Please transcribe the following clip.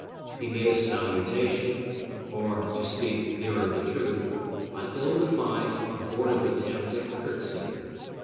He made a salutation, or, to speak nearer the truth, an ill defined, abortive attempt at curtsy.